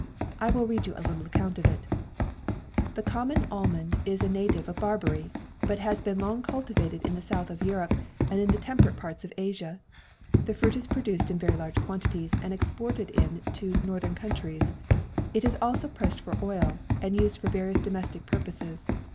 I will read you a little account of it: "'The common almond is a native of Barbary, but has long been cultivated in the South of Europe and the temperate parts of Asia. The fruit is produced in very large quantities and exported in to northern countries; it is also pressed for oil and used for various domestic purposes.